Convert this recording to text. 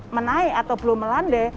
menaik atau belum melanda